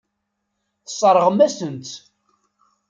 Tesseṛɣem-asen-tt.